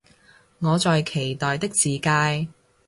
我在期待的自介